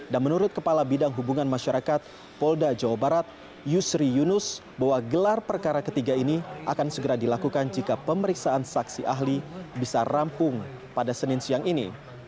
dan menurut kepala bidang hubungan masyarakat polda jawa barat yusri yunus bahwa gelar perkara ketiga ini akan segera dilakukan jika pemeriksaan saksi ahli bisa rampung pada senin siang ini